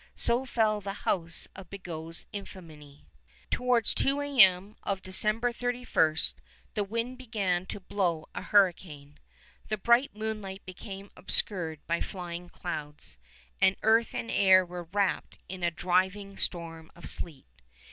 So fell the house of Bigot's infamy. Towards 2 A.M. of December 31 the wind began to blow a hurricane. The bright moonlight became obscured by flying clouds, and earth and air were wrapped in a driving storm of sleet.